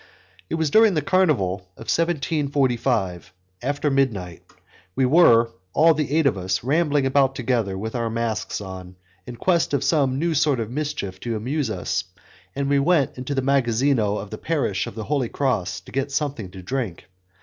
It was during the Carnival of 1745, after midnight; we were, all the eight of us, rambling about together with our masks on, in quest of some new sort of mischief to amuse us, and we went into the magazzino of the parish of the Holy Cross to get something to drink.